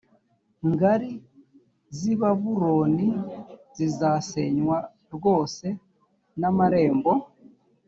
ngari zi babuloni zizasenywa rwose n amarembo